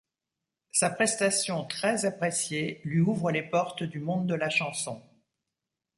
Sa prestation, très appréciée, lui ouvre les portes du monde de la chanson.